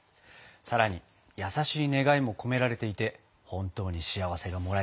さらに優しい願いも込められていて本当に幸せがもらえそうです！